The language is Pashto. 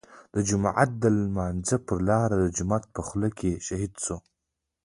د جماعت د لمانځه پر لار د جومات په خوله کې شهيد شو.